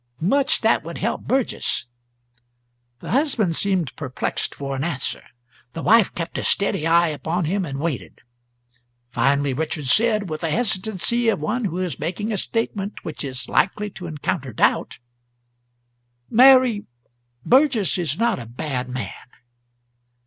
"Much that would help Burgess!" The husband seemed perplexed for an answer; the wife kept a steady eye upon him, and waited. Finally Richards said, with the hesitancy of one who is making a statement which is likely to encounter doubt, "Mary, Burgess is not a bad man."